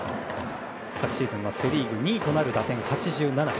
昨シーズンはセ・リーグ２位という打点８７。